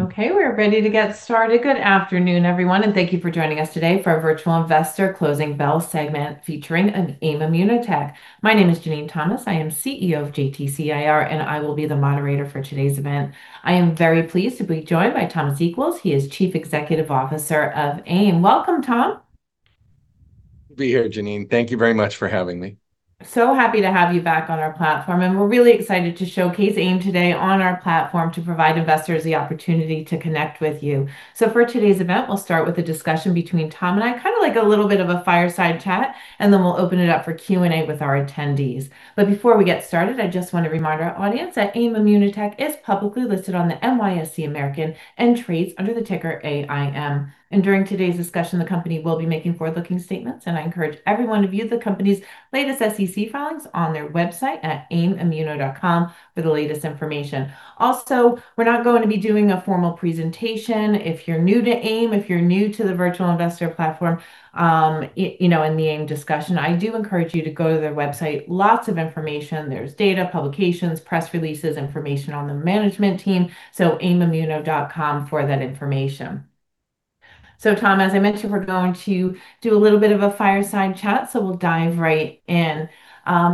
Okay, we're ready to get started. Good afternoon, everyone, and thank you for joining us today for our Virtual Investor Closing Bell segment, featuring AIM ImmunoTech. My name is Jenene Thomas. I am CEO of JTC IR, and I will be the moderator for today's event. I am very pleased to be joined by Thomas Equels. He is Chief Executive Officer of AIM. Welcome, Tom. Good to be here, Jenene. Thank you very much for having me. Happy to have you back on our platform, and we're really excited to showcase AIM today on our platform to provide investors the opportunity to connect with you. For today's event, we'll start with a discussion between Tom and I, kind of like a little bit of a fireside chat, and then we'll open it up for Q&A with our attendees. Before we get started, I just want to remind our audience that AIM ImmunoTech is publicly listed on the NYSE American and trades under the ticker AIM. During today's discussion, the company will be making forward-looking statements, and I encourage everyone to view the company's latest SEC filings on their website at aimimmuno.com for the latest information. Also, we're not going to be doing a formal presentation. If you're new to AIM, if you're new to the Virtual Investor platform, in the AIM discussion, I do encourage you to go to their website. Lots of information. There's data, publications, press releases, information on the management team, so aimimmuno.com for that information. Tom, as I mentioned, we're going to do a little bit of a fireside chat, so we'll dive right in.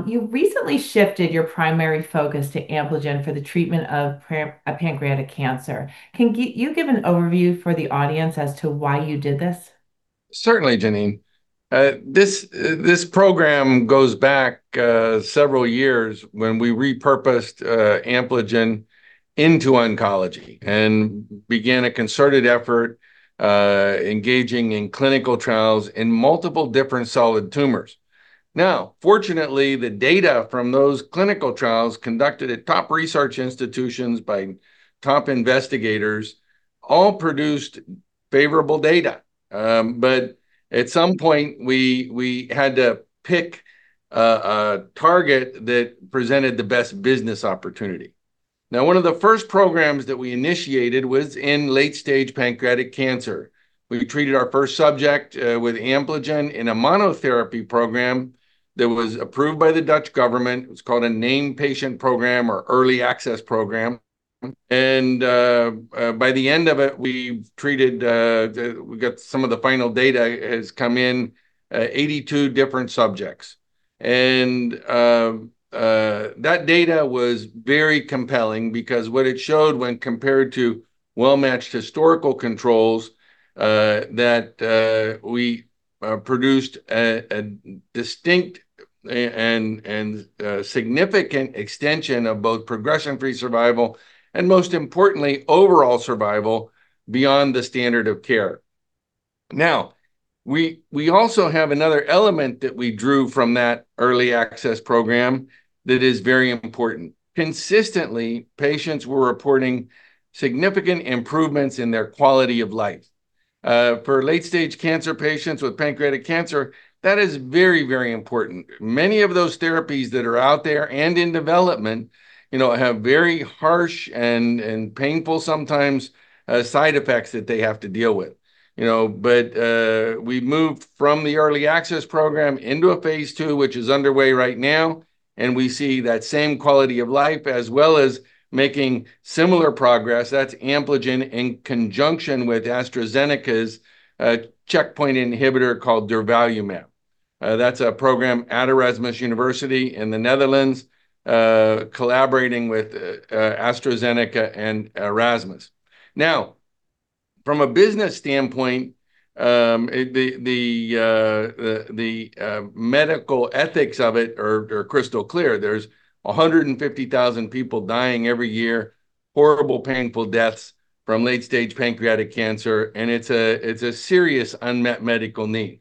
You recently shifted your primary focus to Ampligen for the treatment of pancreatic cancer. Can you give an overview for the audience as to why you did this? Certainly, Jenene. This program goes back several years, when we repurposed Ampligen into oncology and began a concerted effort engaging in clinical trials in multiple different solid tumors. Now, fortunately, the data from those clinical trials, conducted at top research institutions by top investigators, all produced favorable data. At some point, we had to pick a target that presented the best business opportunity. Now, one of the first programs that we initiated was in late-stage pancreatic cancer. We treated our first subject with Ampligen in a monotherapy program that was approved by the Dutch government. It's called a named patient program or early access program. By the end of it, we got some of the final data has come in, 82 different subjects. That data was very compelling, because what it showed when compared to well-matched historical controls, that we produced a distinct and significant extension of both progression-free survival and, most importantly, overall survival beyond the standard of care. Now, we also have another element that we drew from that early access program that is very important. Consistently, patients were reporting significant improvements in their quality of life. For late-stage cancer patients with pancreatic cancer, that is very, very important. Many of those therapies that are out there and in development have very harsh and painful, sometimes, side effects that they have to deal with. We moved from the early access program into a phase II, which is underway right now, and we see that same quality of life, as well as making similar progress. That's Ampligen in conjunction with AstraZeneca's checkpoint inhibitor called durvalumab. That's a program at Erasmus University in the Netherlands, collaborating with AstraZeneca and Erasmus. Now, from a business standpoint, the medical ethics of it are crystal clear. There's 150,000 people dying every year, horrible, painful deaths from late-stage pancreatic cancer, and it's a serious unmet medical need.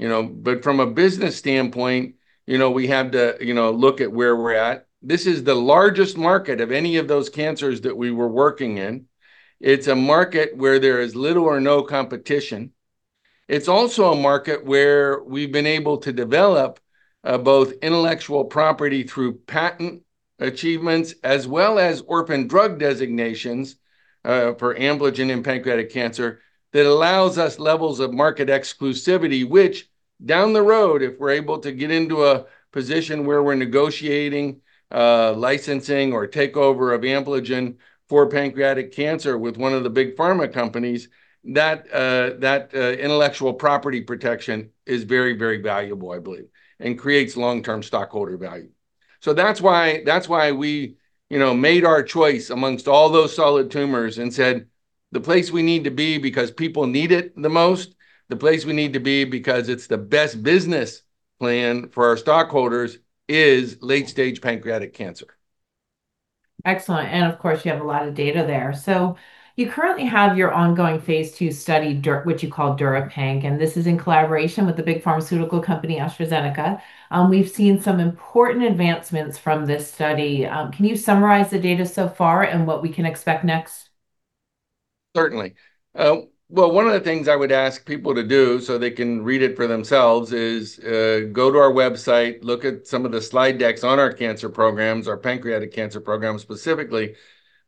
From a business standpoint, we have to look at where we're at. This is the largest market of any of those cancers that we were working in. It's a market where there is little or no competition. It's also a market where we've been able to develop both intellectual property through patent achievements, as well as orphan drug designations for Ampligen and pancreatic cancer that allows us levels of market exclusivity, which down the road, if we're able to get into a position where we're negotiating licensing or takeover of Ampligen for pancreatic cancer with one of the big pharma companies, that intellectual property protection is very, very valuable, I believe, and creates long-term stockholder value. That's why we made our choice amongst all those solid tumors and said, the place we need to be because people need it the most, the place we need to be because it's the best business plan for our stockholders, is late-stage pancreatic cancer. Excellent. Of course, you have a lot of data there. You currently have your ongoing phase II study, what you call DURIPANC, and this is in collaboration with the big pharmaceutical company, AstraZeneca. We've seen some important advancements from this study. Can you summarize the data so far and what we can expect next? Certainly. Well, one of the things I would ask people to do so they can read it for themselves is go to our website, look at some of the slide decks on our cancer programs, our pancreatic cancer program specifically.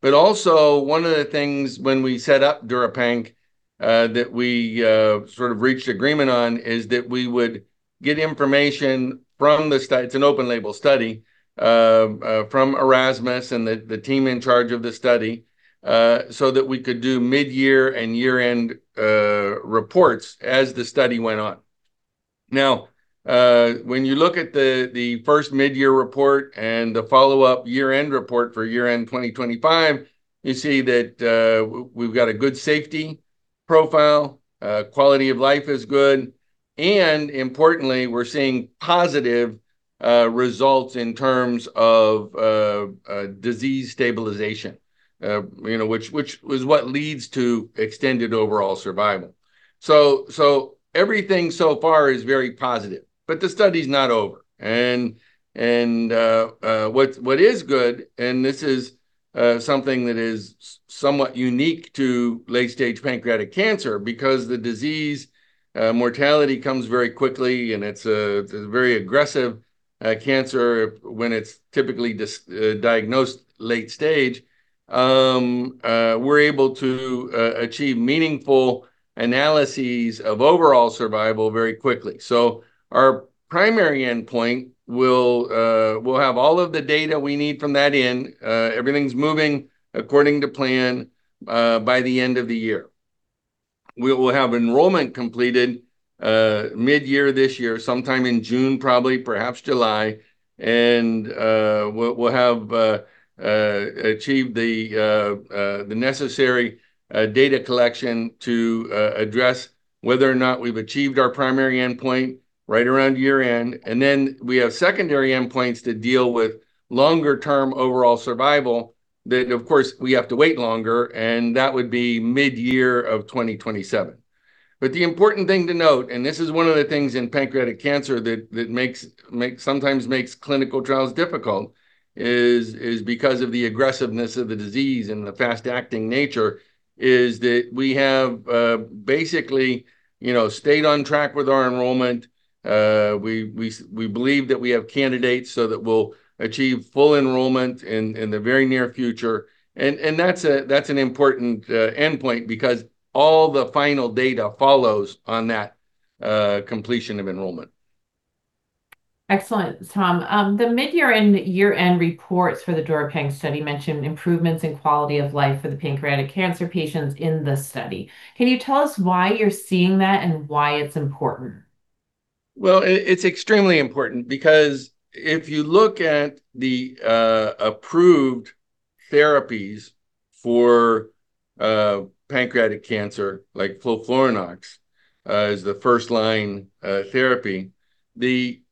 But also, one of the things when we set up DURIPANC that we sort of reached agreement on, is that we would get information from the study. It's an open label study, from Erasmus and the team in charge of the study, so that we could do mid-year and year-end reports as the study went on. Now, when you look at the first mid-year report and the follow-up year-end report for year-end 2025, you see that we've got a good safety profile, quality of life is good, and importantly, we're seeing positive results in terms of disease stabilization, which is what leads to extended overall survival. Everything so far is very positive, but the study's not over. What is good, and this is something that is somewhat unique to late stage pancreatic cancer, because the disease mortality comes very quickly, and it's a very aggressive cancer when it's typically diagnosed late stage. We're able to achieve meaningful analyses of overall survival very quickly. Our primary endpoint, we'll have all of the data we need from that end. Everything's moving according to plan, by the end of the year. We will have enrollment completed mid-year this year, sometime in June, probably, perhaps July. We'll have achieved the necessary data collection to address whether or not we've achieved our primary endpoint right around year-end. We have secondary endpoints to deal with longer term overall survival that, of course, we have to wait longer, and that would be mid-year of 2027. The important thing to note, and this is one of the things in pancreatic cancer that sometimes makes clinical trials difficult, is because of the aggressiveness of the disease and the fast-acting nature, is that we have basically stayed on track with our enrollment. We believe that we have candidates so that we'll achieve full enrollment in the very near future, and that's an important endpoint, because all the final data follows on that completion of enrollment. Excellent, Tom. The mid-year and year-end reports for the DURIPANC study mentioned improvements in quality of life for the pancreatic cancer patients in the study. Can you tell us why you're seeing that and why it's important? Well, it's extremely important, because if you look at the approved therapies for pancreatic cancer, like FOLFIRINOX, as the first line therapy, the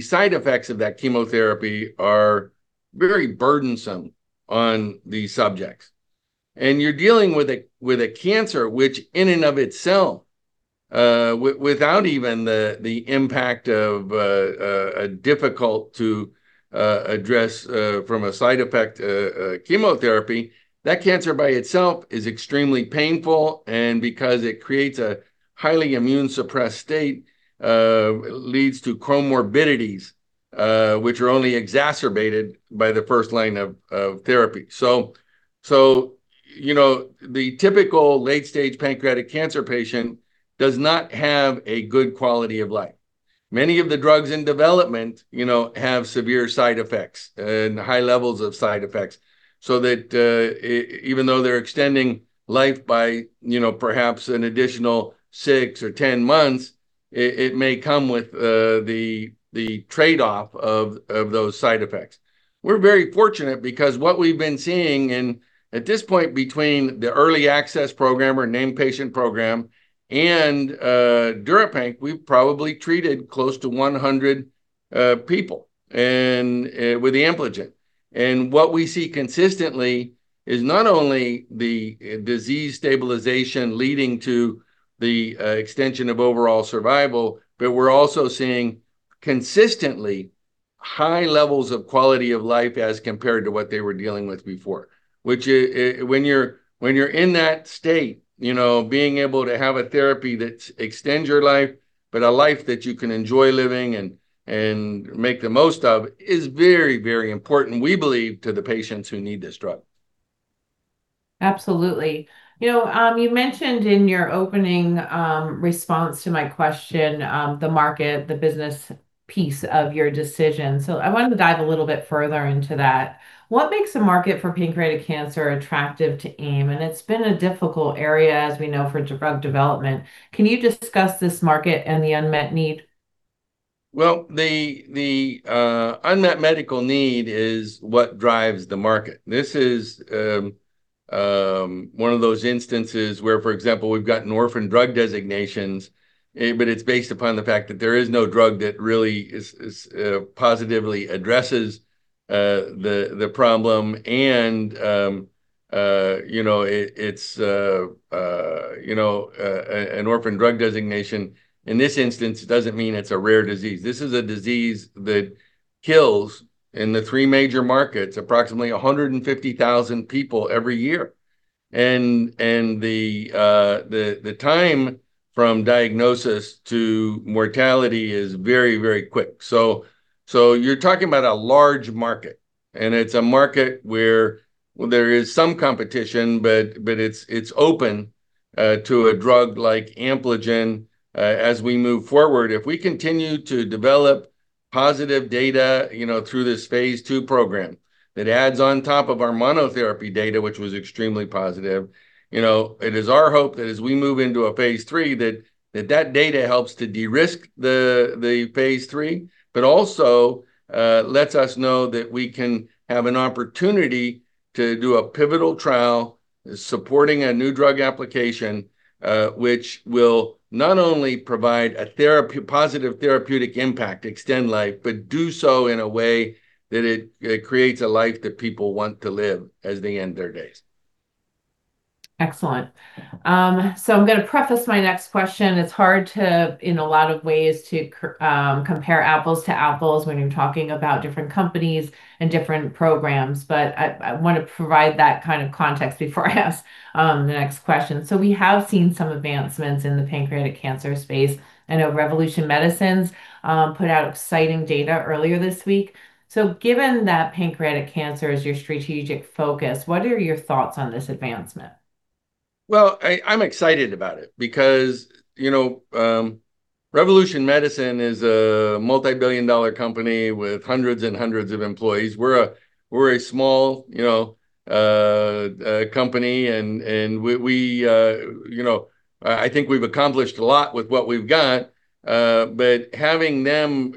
side effects of that chemotherapy are very burdensome on the subjects. You're dealing with a cancer which, in and of itself, without even the impact of a difficult to address from a side effect chemotherapy. That cancer by itself is extremely painful, and because it creates a highly immune suppressed state, leads to comorbidities, which are only exacerbated by the first line of therapy. The typical late stage pancreatic cancer patient does not have a good quality of life. Many of the drugs in development have severe side effects and high levels of side effects, so that even though they're extending life by perhaps an additional six or 10 months, it may come with the trade-off of those side effects. We're very fortunate because what we've been seeing, and at this point between the early access program, or named patient program, and DURIPANC, we've probably treated close to 100 people, and with the Ampligen. What we see consistently is not only the disease stabilization leading to the extension of overall survival, but we're also seeing consistently high levels of quality of life as compared to what they were dealing with before. Which, when you're in that state, being able to have a therapy that extends your life, but a life that you can enjoy living and make the most of, is very, very important, we believe, to the patients who need this drug. Absolutely. You mentioned in your opening response to my question, the market, the business piece of your decision, so I wanted to dive a little bit further into that. What makes the market for pancreatic cancer attractive to AIM? It's been a difficult area, as we know, for drug development. Can you discuss this market and the unmet need? Well, the unmet medical need is what drives the market. This is one of those instances where, for example, we've gotten orphan drug designations, but it's based upon the fact that there is no drug that really positively addresses the problem. It's an orphan drug designation. In this instance, it doesn't mean it's a rare disease. This is a disease that kills, in the three major markets, approximately 150,000 people every year. The time from diagnosis to mortality is very, very quick. You're talking about a large market. It's a market where there is some competition, but it's open to a drug like Ampligen as we move forward. If we continue to develop positive data through this phase II program, that adds on top of our monotherapy data, which was extremely positive. It is our hope that as we move into a phase III, that data helps to de-risk the phase III, but also lets us know that we can have an opportunity to do a pivotal trial supporting a new drug application, which will not only provide a positive therapeutic impact, extend life, but do so in a way that it creates a life that people want to live as they end their days. Excellent. I'm going to preface my next question. It's hard, in a lot of ways, to compare apples-to-apples when you're talking about different companies and different programs. I want to provide that kind of context before I ask the next question. We have seen some advancements in the pancreatic cancer space. I know Revolution Medicines put out exciting data earlier this week. Given that pancreatic cancer is your strategic focus, what are your thoughts on this advancement? Well, I'm excited about it because Revolution Medicines is a multibillion-dollar company with hundreds and hundreds of employees. We're a small company, and I think we've accomplished a lot with what we've got. Having them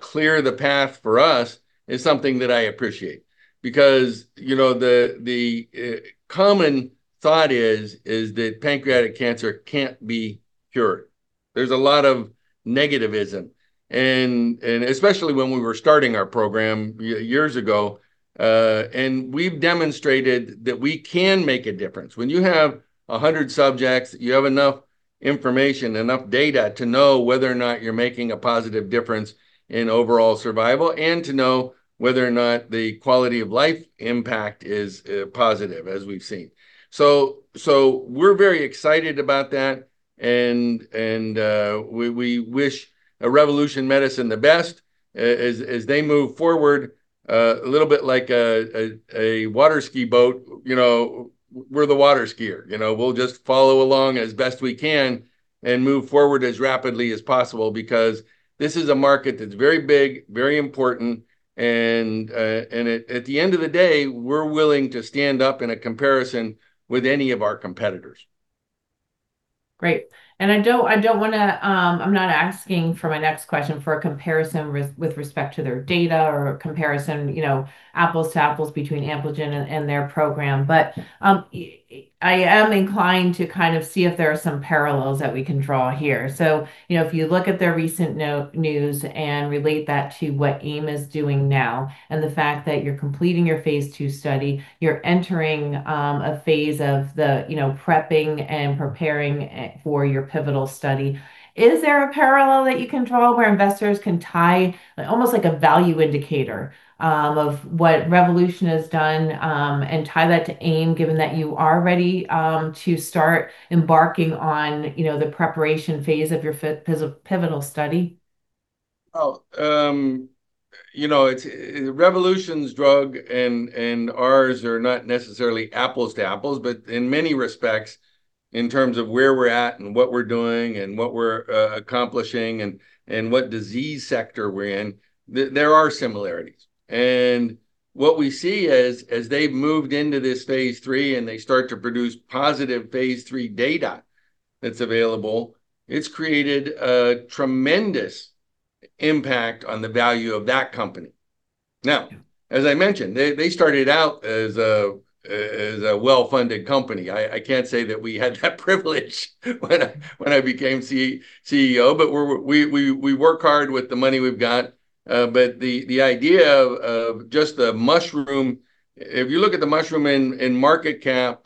clear the path for us is something that I appreciate, because the common thought is that pancreatic cancer can't be cured. There's a lot of negativism, and especially when we were starting our program years ago. We've demonstrated that we can make a difference. When you have 100 subjects, you have enough information, enough data to know whether or not you're making a positive difference in overall survival, and to know whether or not the quality of life impact is positive, as we've seen. We're very excited about that, and we wish Revolution Medicines the best as they move forward. A little bit like a water ski boat, we're the water skier. We'll just follow along as best we can and move forward as rapidly as possible, because this is a market that's very big, very important, and at the end of the day, we're willing to stand up in a comparison with any of our competitors. Great. I'm not asking, for my next question, for a comparison with respect to their data or a comparison, apples-to-apples, between Ampligen and their program. I am inclined to see if there are some parallels that we can draw here. If you look at their recent news and relate that to what AIM is doing now, and the fact that you're completing your phase II study, you're entering a phase of the prepping and preparing for your pivotal study. Is there a parallel that you can draw where investors can tie, almost like a value indicator, of what Revolution has done, and tie that to AIM, given that you are ready to start embarking on the preparation phase of your pivotal study? Oh. Revolution's drug and ours are not necessarily apples-to-apples, but in many respects, in terms of where we're at and what we're doing and what we're accomplishing, and what disease sector we're in, there are similarities. What we see as they've moved into this phase III, and they start to produce positive phase III data that's available, it's created a tremendous impact on the value of that company. Now, as I mentioned, they started out as a well-funded company. I can't say that we had that privilege when I became CEO. We work hard with the money we've got. The idea of just the mushroom, if you look at the mushroom in market cap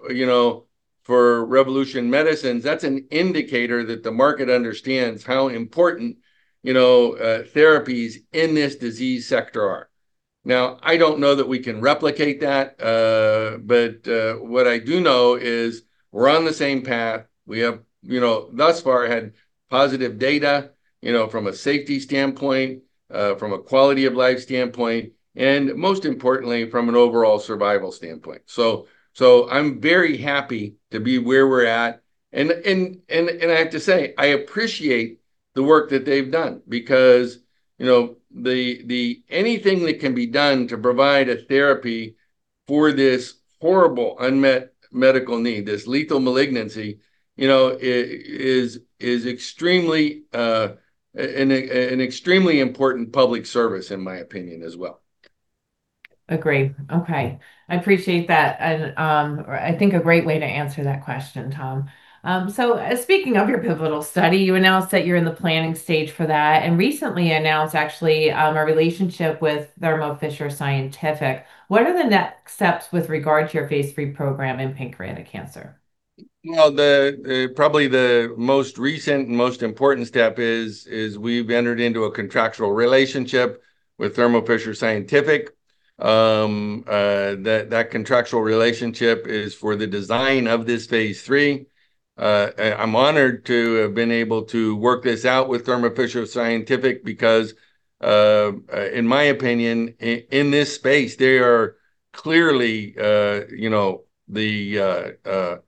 for Revolution Medicines, that's an indicator that the market understands how important therapies in this disease sector are. Now, I don't know that we can replicate that. What I do know is we're on the same path. We have, thus far, had positive data from a safety standpoint, from a quality of life standpoint, and most importantly, from an overall survival standpoint. I'm very happy to be where we're at. I have to say, I appreciate the work that they've done, because anything that can be done to provide a therapy for this horrible unmet medical need, this lethal malignancy, is an extremely important public service in my opinion as well. Agree. Okay. I appreciate that. I think a great way to answer that question, Tom. Speaking of your pivotal study, you announced that you're in the planning stage for that, and recently announced, actually, a relationship with Thermo Fisher Scientific. What are the next steps with regard to your phase III program in pancreatic cancer? Well, probably the most recent, most important step is we've entered into a contractual relationship with Thermo Fisher Scientific. That contractual relationship is for the design of this phase III. I'm honored to have been able to work this out with Thermo Fisher Scientific because, in my opinion, in this space, they are clearly the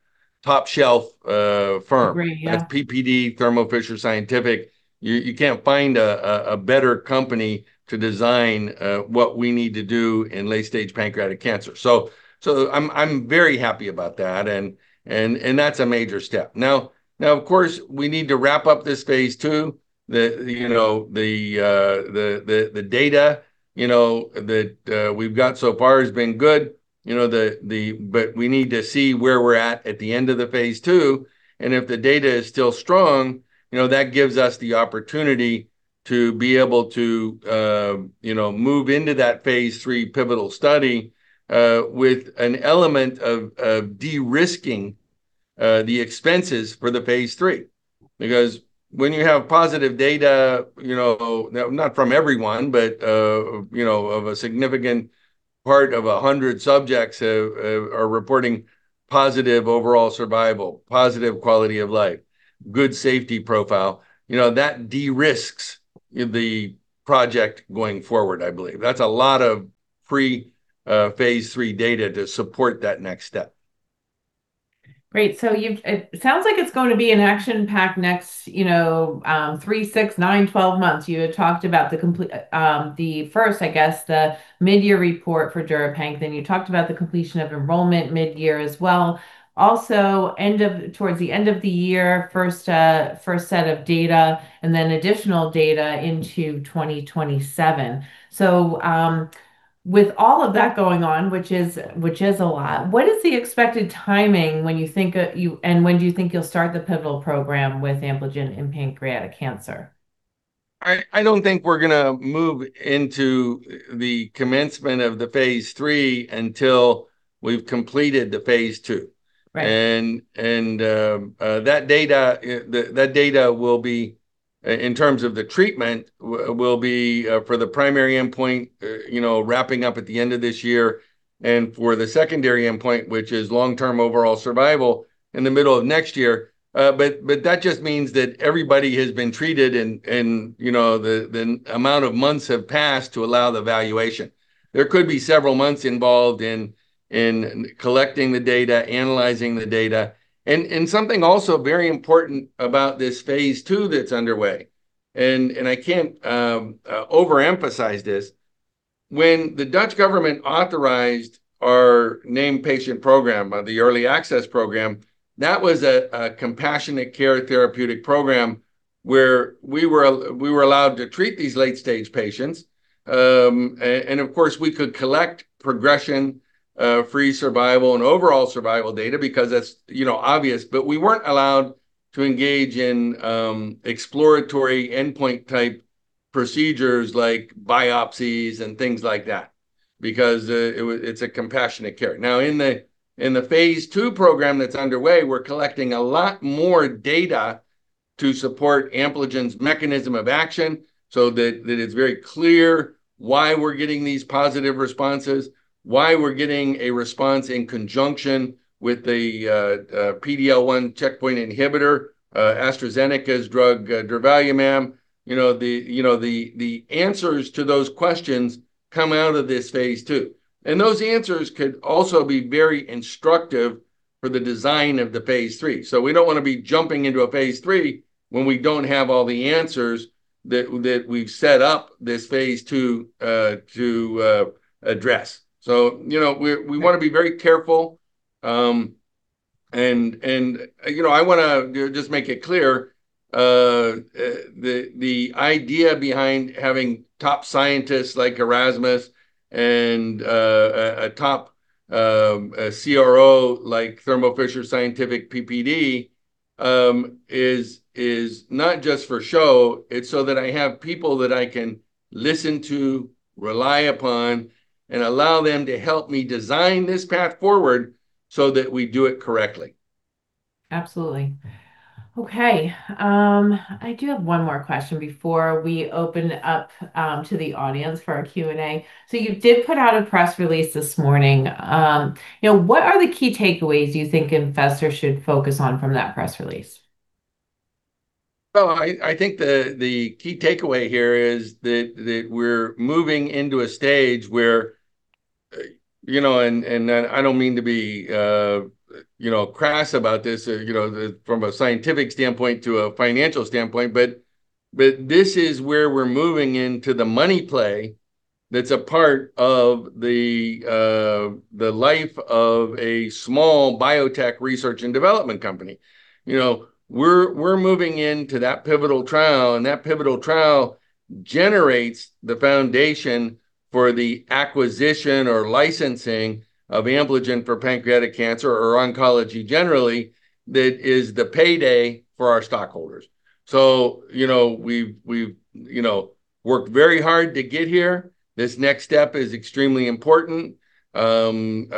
top shelf firm. Agreed. Yeah. That's PPD, Thermo Fisher Scientific. You can't find a better company to design what we need to do in late-stage pancreatic cancer. I'm very happy about that, and that's a major step. Now, of course, we need to wrap up this phase II. The data that we've got so far has been good. We need to see where we're at the end of the phase II. If the data is still strong, that gives us the opportunity to be able to move into that phase III pivotal study, with an element of de-risking the expenses for the phase III. Because when you have positive data, not from everyone, but of a significant part of 100 subjects are reporting positive overall survival, positive quality of life, good safety profile, that de-risks the project going forward, I believe. That's a lot of free phase III data to support that next step. Great. It sounds like it's going to be an action-packed next three, six, nine, 12 months. You had talked about the first, I guess, the mid-year report for DURIPANC. Then you talked about the completion of enrollment mid-year as well. Also, towards the end of the year, first set of data, and then additional data into 2027. With all of that going on, which is a lot, what is the expected timing, and when do you think you'll start the pivotal program with Ampligen in pancreatic cancer? I don't think we're going to move into the commencement of the phase III until we've completed the phase II. Right. That data, in terms of the treatment, will be, for the primary endpoint, wrapping up at the end of this year, and for the secondary endpoint, which is long-term overall survival, in the middle of next year. That just means that everybody has been treated and the amount of months have passed to allow the valuation. There could be several months involved in collecting the data, analyzing the data. Something also very important about this phase II that's underway, and I can't overemphasize this, when the Dutch government authorized our named patient program, the early access program, that was a compassionate care therapeutic program where we were allowed to treat these late-stage patients. Of course, we could collect progression-free survival, and overall survival data, because that's obvious. We weren't allowed to engage in exploratory endpoint-type procedures, like biopsies and things like that, because it's a compassionate care. Now in the phase II program that's underway, we're collecting a lot more data to support Ampligen's mechanism of action so that it's very clear why we're getting these positive responses, why we're getting a response in conjunction with the PD-L1 checkpoint inhibitor, AstraZeneca's drug, durvalumab. The answers to those questions come out of this phase II. Those answers could also be very instructive for the design of the phase III. We don't want to be jumping into a phase III when we don't have all the answers that we've set up this phase II to address. We want to be very careful. I want to just make it clear, the idea behind having top scientists like Erasmus, and a top CRO like Thermo Fisher Scientific PPD, is not just for show. It's so that I have people that I can listen to, rely upon, and allow them to help me design this path forward so that we do it correctly. Absolutely. Okay. I do have one more question before we open up to the audience for our Q&A. You did put out a press release this morning. What are the key takeaways you think investors should focus on from that press release? I think the key takeaway here is that we're moving into a stage where I don't mean to be crass about this, from a scientific standpoint to a financial standpoint, but this is where we're moving into the money play that's a part of the life of a small biotech research and development company. We're moving into that pivotal trial, and that pivotal trial generates the foundation for the acquisition or licensing of Ampligen for pancreatic cancer, or oncology generally, that is the payday for our stockholders. We've worked very hard to get here. This next step is extremely important. There's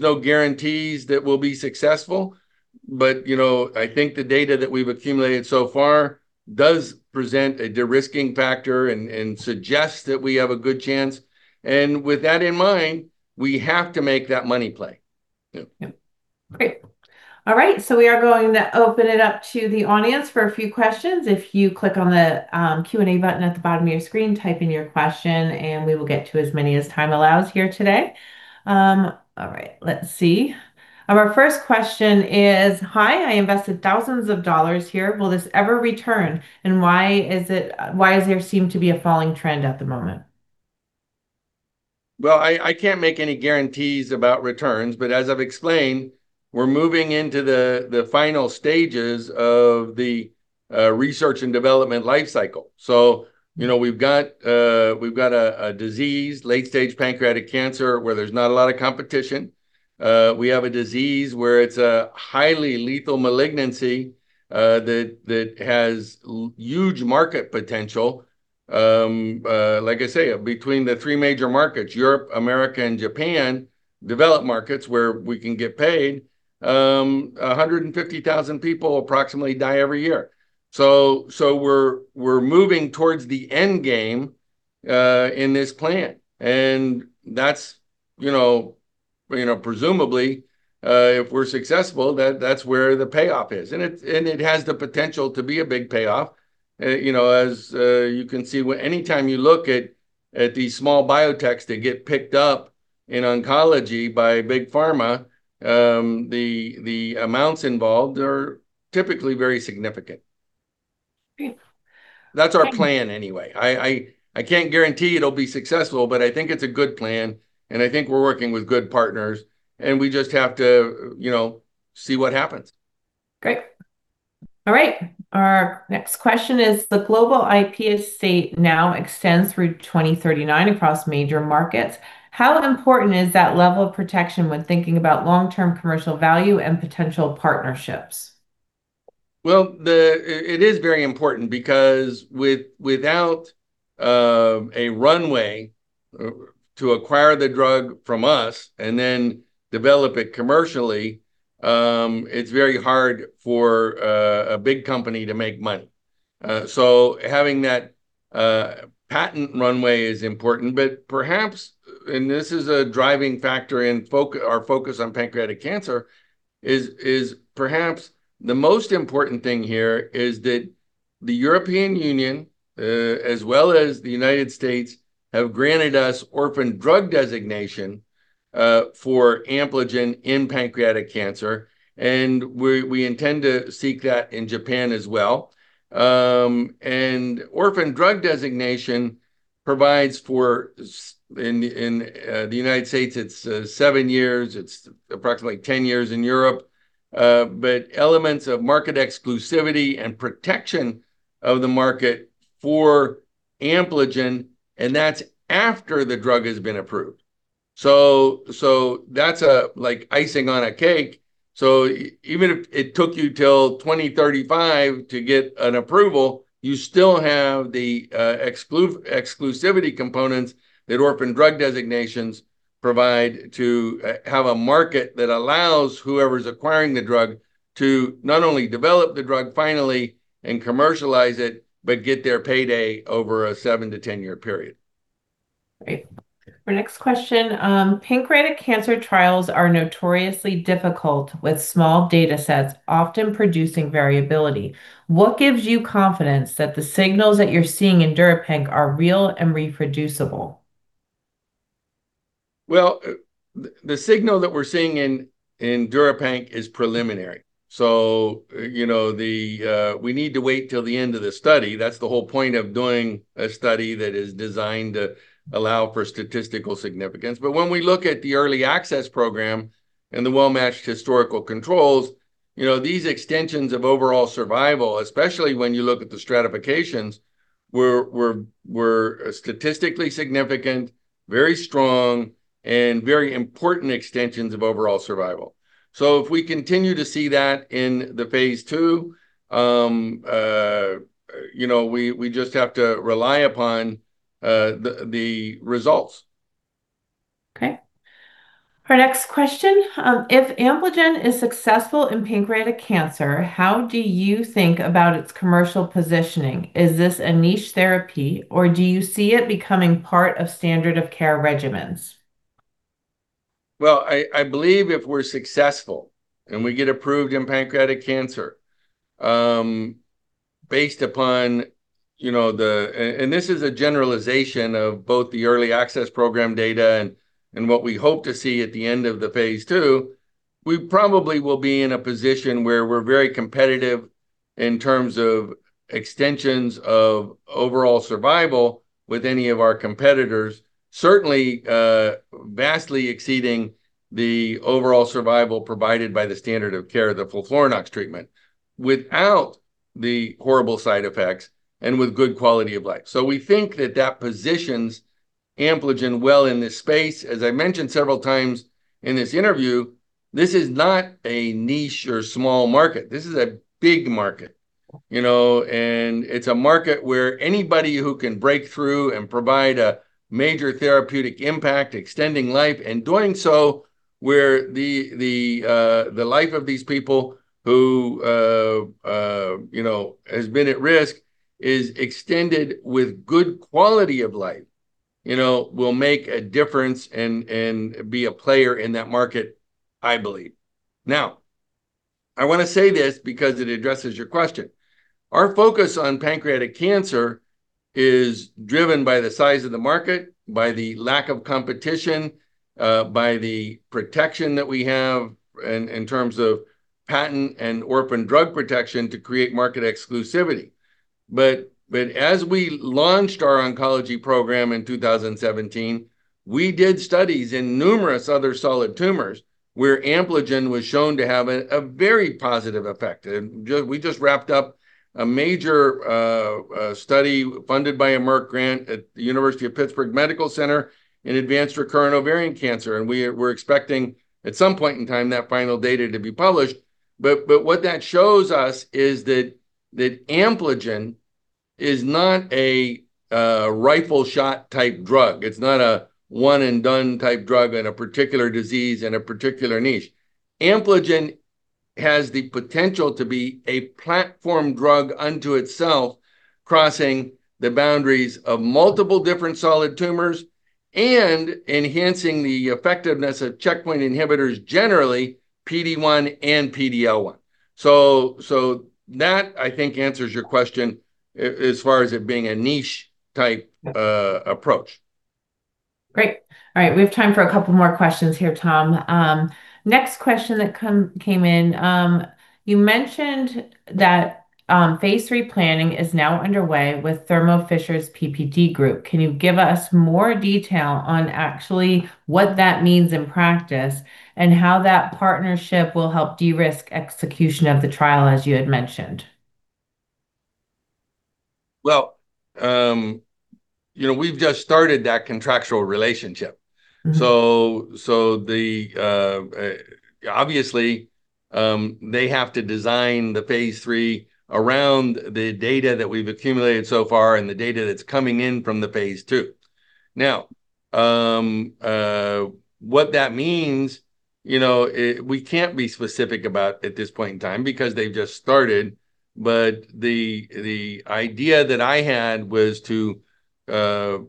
no guarantees that we'll be successful. I think the data that we've accumulated so far does present a de-risking factor, and suggests that we have a good chance. With that in mind, we have to make that money play. Yep. Great. All right. We are going to open it up to the audience for a few questions. If you click on the Q&A button at the bottom of your screen, type in your question, and we will get to as many as time allows here today. All right. Let's see. Our first question is, Hi, I invested thousands of dollars here. Will this ever return? And why is there seem to be a falling trend at the moment? Well, I can't make any guarantees about returns. As I've explained, we're moving into the final stages of the research and development life cycle. We've got a disease, late stage pancreatic cancer, where there's not a lot of competition. We have a disease where it's a highly lethal malignancy, that has huge market potential. Like I say, between the three major markets, Europe, America, and Japan, developed markets where we can get paid. 150,000 people approximately die every year. We're moving towards the end game, in this plan. Presumably, if we're successful, that's where the payoff is. It has the potential to be a big payoff. As you can see, anytime you look at these small biotechs that get picked up in oncology by big pharma, the amounts involved are typically very significant. Great. That's our plan anyway. I can't guarantee it'll be successful, but I think it's a good plan, and I think we're working with good partners, and we just have to see what happens. Great. All right. Our next question is, The global IP estate now extends through 2039 across major markets, how important is that level of protection when thinking about long-term commercial value and potential partnerships? Well, it is very important because without a runway to acquire the drug from us and then develop it commercially, it's very hard for a big company to make money. Having that patent runway is important, but perhaps, and this is a driving factor in our focus on pancreatic cancer, is perhaps the most important thing here is that the European Union, as well as the United States, have granted us orphan drug designation for Ampligen in pancreatic cancer, and we intend to seek that in Japan as well. Orphan drug designation provides for, in the United States, it's seven years, it's approximately 10 years in Europe, but elements of market exclusivity and protection of the market for Ampligen, and that's after the drug has been approved. That's like icing on a cake. Even if it took you till 2035 to get an approval, you still have the exclusivity components that orphan drug designations provide to have a market that allows whoever's acquiring the drug to not only develop the drug finally and commercialize it, but get their payday over a seven to 10-year period. Great. Our next question. Pancreatic cancer trials are notoriously difficult with small data sets, often producing variability. What gives you confidence that the signals that you're seeing in DURIPANC are real and reproducible? Well, the signal that we're seeing in DURIPANC is preliminary. We need to wait till the end of the study. That's the whole point of doing a study that is designed to allow for statistical significance. When we look at the early access program and the well-matched historical controls, these extensions of overall survival, especially when you look at the stratifications, were statistically significant, very strong, and very important extensions of overall survival. If we continue to see that in the phase II, we just have to rely upon the results. Okay. Our next question, "If Ampligen is successful in pancreatic cancer, how do you think about its commercial positioning? Is this a niche therapy, or do you see it becoming part of standard of care regimens? Well, I believe if we're successful, and we get approved in pancreatic cancer, based upon the, and this is a generalization of both the early access program data and what we hope to see at the end of the phase II, we probably will be in a position where we're very competitive in terms of extensions of overall survival with any of our competitors. Certainly vastly exceeding the overall survival provided by the standard of care, the FOLFIRINOX treatment, without the horrible side effects and with good quality of life. We think that positions Ampligen well in this space. As I mentioned several times in this interview, this is not a niche or small market. This is a big market. It's a market where anybody who can break through and provide a major therapeutic impact, extending life, and doing so where the life of these people who has been at risk is extended with good quality of life will make a difference and be a player in that market, I believe. Now, I want to say this because it addresses your question. Our focus on pancreatic cancer is driven by the size of the market, by the lack of competition, by the protection that we have in terms of patent and orphan drug protection to create market exclusivity. As we launched our oncology program in 2017, we did studies in numerous other solid tumors where Ampligen was shown to have a very positive effect. We just wrapped up a major study funded by a Merck grant at the University of Pittsburgh Medical Center in advanced recurrent ovarian cancer. We're expecting, at some point in time, that final data to be published. But what that shows us is that Ampligen is not a rifle shot type drug. It's not a one-and-done type drug in a particular disease in a particular niche. Ampligen has the potential to be a platform drug unto itself, crossing the boundaries of multiple different solid tumors and enhancing the effectiveness of checkpoint inhibitors, generally PD-1 and PD-L1. That, I think, answers your question as far as it being a niche type approach. Great. All right. We have time for a couple more questions here, Tom. Next question that came in. You mentioned that phase III planning is now underway with Thermo Fisher’s PPD group. Can you give us more detail on actually what that means in practice, and how that partnership will help de-risk execution of the trial, as you had mentioned? Well, we've just started that contractual relationship. Mm-hmm. Obviously, they have to design the phase III around the data that we've accumulated so far and the data that's coming in from the phase II. Now, what that means, we can't be specific about at this point in time because they've just started. The idea that I had was to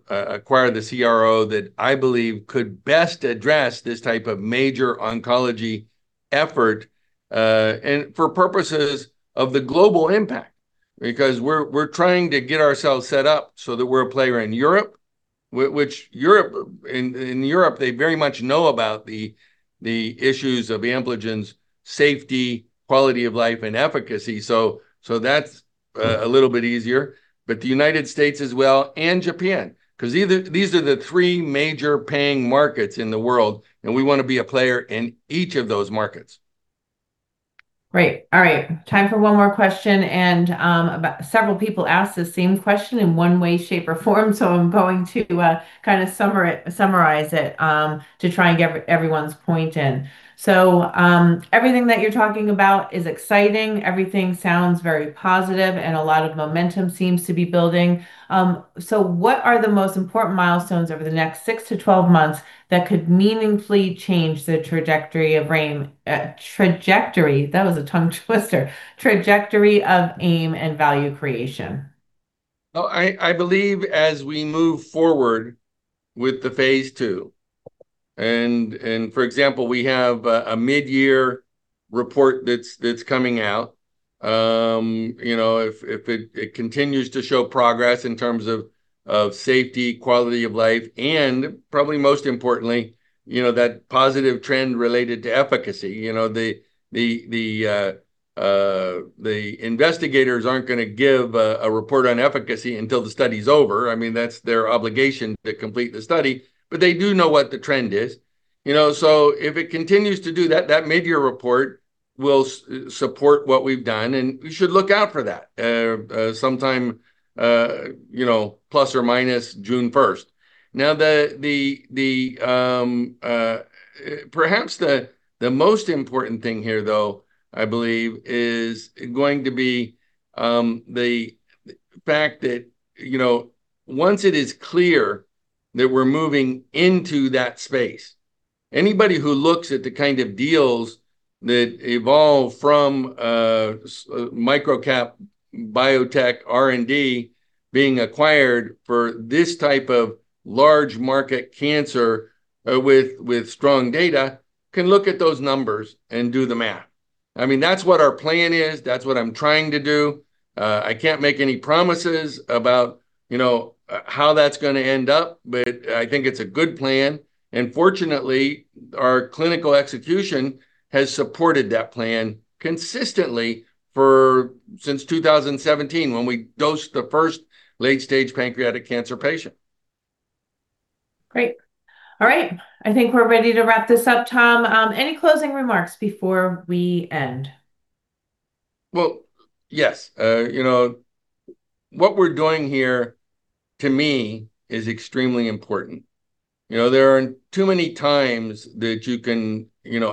acquire the CRO that I believe could best address this type of major oncology effort, and for purposes of the global impact. Because we're trying to get ourselves set up so that we're a player in Europe. In Europe, they very much know about the issues of Ampligen's safety, quality of life, and efficacy. That's a little bit easier. The United States as well, and Japan. Because these are the three major paying markets in the world, and we want to be a player in each of those markets. Great. All right. Time for one more question. Several people asked the same question in one way, shape, or form, so I'm going to kind of summarize it to try and get everyone's point in. Everything that you're talking about is exciting. Everything sounds very positive, and a lot of momentum seems to be building. What are the most important milestones over the next six to 12 months that could meaningfully change the trajectory of AIM and value creation? Oh, I believe as we move forward with the phase II, and for example, we have a mid-year report that's coming out. If it continues to show progress in terms of safety, quality of life, and probably most importantly, that positive trend related to efficacy. The investigators aren't going to give a report on efficacy until the study's over. That's their obligation to complete the study. But they do know what the trend is. So if it continues to do that mid-year report will support what we've done, and we should look out for that. Sometime plus or minus June 1st. Now, perhaps the most important thing here, though, I believe, is going to be the fact that once it is clear that we're moving into that space, anybody who looks at the kind of deals that evolve from microcap biotech R&D being acquired for this type of large market cancer with strong data, can look at those numbers and do the math. That's what our plan is. That's what I'm trying to do. I can't make any promises about how that's going to end up, but I think it's a good plan. Fortunately, our clinical execution has supported that plan consistently since 2017, when we dosed the first late-stage pancreatic cancer patient. Great. All right. I think we're ready to wrap this up, Tom. Any closing remarks before we end? Well, yes. What we're doing here, to me, is extremely important. There aren't too many times that you can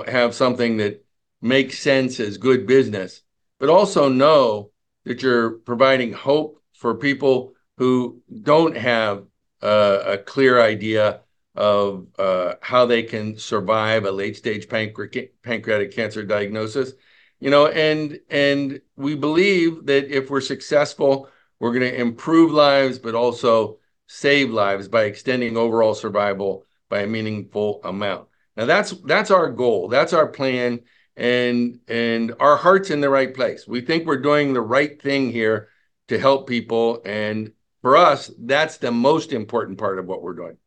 have something that makes sense as good business, but also know that you're providing hope for people who don't have a clear idea of how they can survive a late-stage pancreatic cancer diagnosis. We believe that if we're successful, we're going to improve lives, but also save lives by extending overall survival by a meaningful amount. Now, that's our goal, that's our plan, and our heart's in the right place. We think we're doing the right thing here to help people. For us, that's the most important part of what we're doing.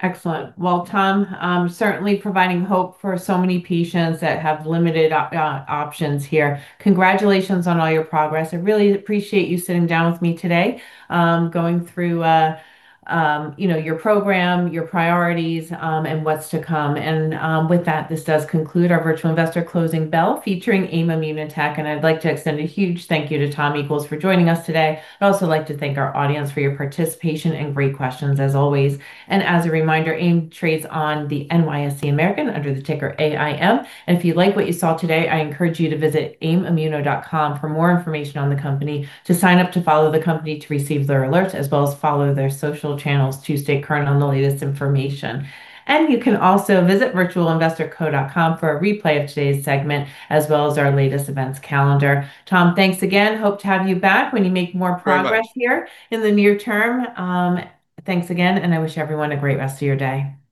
Excellent. Well, Tom, certainly providing hope for so many patients that have limited options here. Congratulations on all your progress. I really appreciate you sitting down with me today, going through your program, your priorities, and what's to come. With that, this does conclude our Virtual Investor Closing Bell, featuring AIM ImmunoTech. I'd like to extend a huge thank you to Thomas Equels for joining us today. I'd also like to thank our audience for your participation and great questions, as always. As a reminder, AIM trades on the NYSE American under the ticker AIM. If you like what you saw today, I encourage you to visit aimimmuno.com for more information on the company, to sign up to follow the company to receive their alerts, as well as follow their social channels to stay current on the latest information. You can also visit virtualinvestorco.com for a replay of today's segment, as well as our latest events calendar. Tom, thanks again. Hope to have you back when you make more progress here in the near term. Thanks again, and I wish everyone a great rest of your day. Bye